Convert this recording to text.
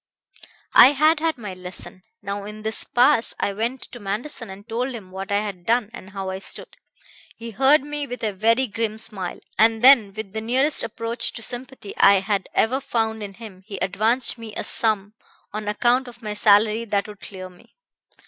I had had my lesson. Now in this pass I went to Manderson and told him what I had done and how I stood. He heard me with a very grim smile, and then, with the nearest approach to sympathy I had ever found in him, he advanced me a sum on account of my salary that would clear me.